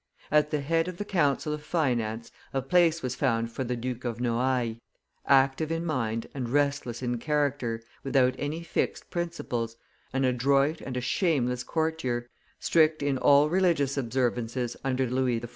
At the head of the council of finance, a place was found for the Duke of Noailles, active in mind and restless in character, without any fixed principles, an adroit and a shameless courtier, strict in all religious observances under Louis XIV.